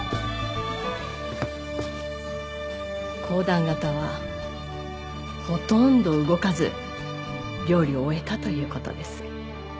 公団型はほとんど動かず料理を終えたという事です。